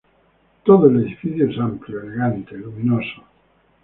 Todo el edificio es amplio, elegante, luminoso.